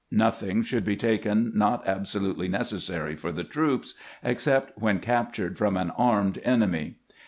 Nothing should be taken not absolutely necessary for the troops, except when captured from an armed enemy.